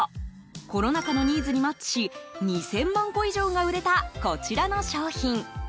コロナ禍のニーズにマッチし２０００万個以上が売れたこちらの商品。